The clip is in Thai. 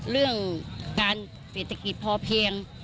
เรื่องการเศรษฐกิจพอเพียง